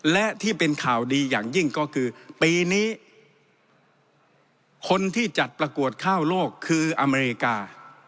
และที่เป็นข่าวดีอย่างยิ่งก็คือปีนี้คนที่จัดประกวดข้าวโลกคืออเมริกา